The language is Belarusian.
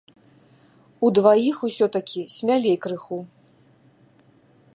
Удваіх усё-такі смялей крыху.